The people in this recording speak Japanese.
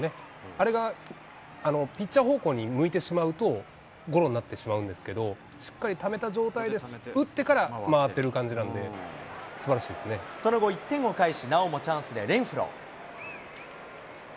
あれが、ピッチャー方向に向いてしまうとゴロになってしまうんですけど、しっかりためた状態で、打ってから回ってる感じなんで、すばらしその後、１点を返し、なおもチャンスでレンフロー。